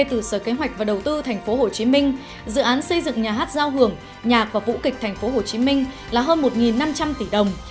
từ sở kế hoạch và đầu tư tp hcm dự án xây dựng nhà hát giao hưởng nhạc và vũ kịch tp hcm là hơn một năm trăm linh tỷ đồng